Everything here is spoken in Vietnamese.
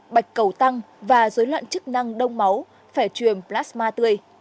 bạch cầu tăng và dối loạn chức năng đông máu phải truyền plasma tươi